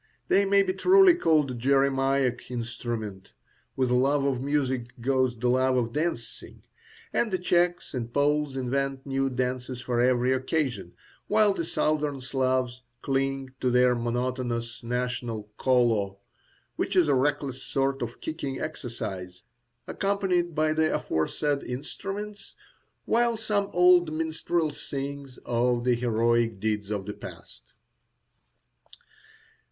They may be truly called Jeremiac instruments. With love of music goes the love of dancing, and the Czechs and Poles invent new dances for every occasion, while the Southern Slavs cling to their monotonous national "kolo," which is a reckless sort of kicking exercise, accompanied by the aforesaid instruments, while some old minstrel sings of the heroic deeds of the past.